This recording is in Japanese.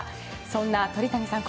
そんな鳥谷さん